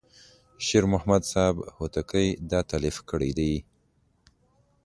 شیر محمد صاحب هوتکی دا تألیف کړی دی.